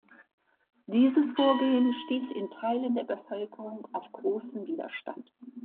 Dieses Vorgehen stieß in Teilen der Bevölkerung auf großen Widerstand.